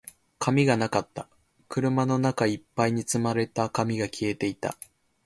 紙がなかった。車の中一杯に積まれた紙が消えていた。